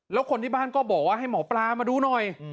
แล้วคนที่บ้านก็บอกว่าให้หมอปลามาดูหน่อย